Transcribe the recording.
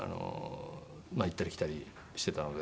行ったり来たりしてたので。